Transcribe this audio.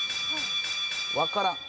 わからん。